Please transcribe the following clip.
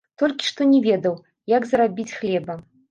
Толькі што не ведаў, як зарабіць хлеба!